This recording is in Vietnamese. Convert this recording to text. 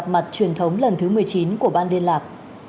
mặt truyền thống lần thứ một mươi chín của ban liên lạc